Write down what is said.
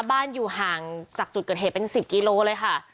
บ้านอยู่ห่างจากจุดเกิดเหตุเป็น๑๐กิโลเลยค่ะ